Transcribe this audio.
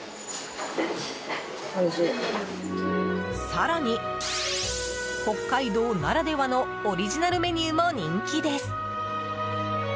更に、北海道ならではのオリジナルメニューも人気です。